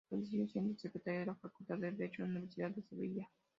Falleció siendo el secretario de la Facultad de Derecho de la Universidad de Sevilla.